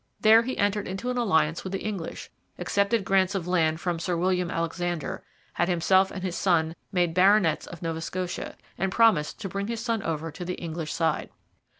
There he entered into an alliance with the English, accepted grants of land from Sir William Alexander, had himself and his son made Baronets of Nova Scotia, and promised to bring his son over to the English side.